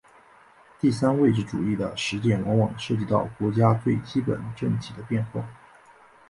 第三位置主义的实践往往涉及到国家最基本政体的变化。